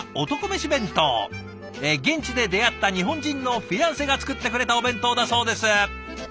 現地で出会った日本人のフィアンセが作ってくれたお弁当だそうです。